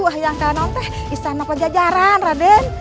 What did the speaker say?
saya ingin ke istana panjajaran raden